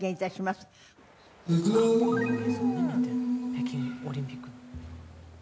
北京オリンピックの。